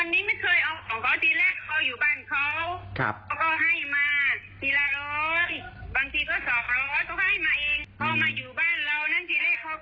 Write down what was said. ที่มาเขาก็คงทำดีตอนนั้นยังต่ายย่าอยู่